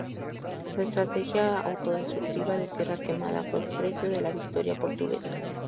La estrategia autodestructiva de tierra quemada fue el precio de la victoria portuguesa.